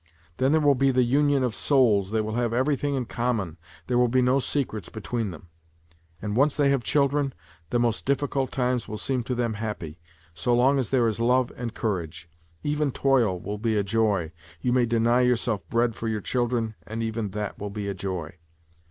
Then there will be the union of souls, they will have everything in common, there will be no secrets between them. And once they have children, the most difficult times will seem to them happy, so long as there is love and courage. Even toil will be a joy, you may deny yourself bread for your children and even that will be a joy.